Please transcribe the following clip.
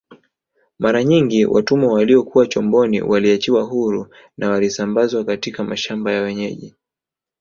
Mara nyingine watumwa waliokuwa chomboni waliachiwa huru na walisambazwa katika mashamba ya wenyeji